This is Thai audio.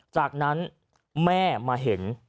จากนั้นแม่มาเห็น